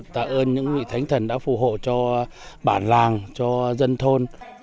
tạ ơn những vị thánh thần đã phù hộ cho bản làng cho dân thôn